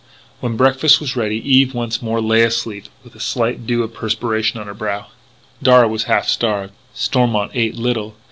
When breakfast was ready Eve once more lay asleep with a slight dew of perspiration on her brow. Darragh was half starved: Stormont ate little.